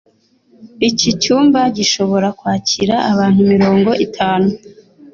Iki cyumba gishobora kwakira abantu mirongo itanu.